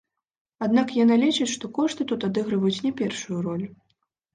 Аднак яна лічыць, што кошты тут адыгрываюць не першую ролю.